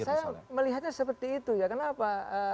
saya melihatnya seperti itu ya kenapa